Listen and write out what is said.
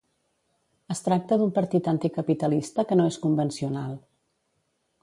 Es tracta d'un partit anticapitalista que no és convencional.